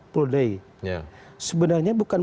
puldei sebenarnya bukan